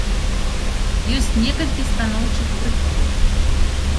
Ёсць некалькі станоўчых прыкладаў.